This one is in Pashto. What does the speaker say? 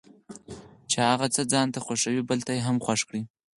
چې هغه څه ځانته خوښوي بل ته یې هم خوښ کړي.